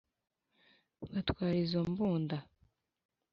Batwara izo mbunda;